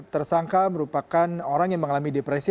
tersangka merupakan orang yang mengalami depresi